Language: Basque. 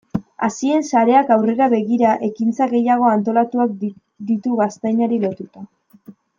Hazien sareak aurrera begira ekintza gehiago antolatuak ditu gaztainari lotuta.